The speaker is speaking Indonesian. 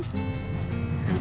udah berapa ini